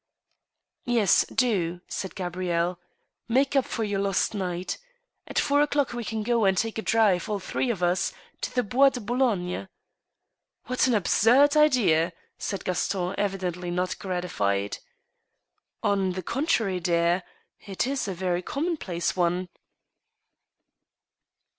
* Yes — do," said Gabrielle, *' make up for your lost night. At ^ four o'clock we can go arid take a drive, all three of us, ... to the Bois de Boulogne." ''What an absurd idea!" said Gaston, evidently not gratified. " On the contrary, dear, it is a very commonplace one."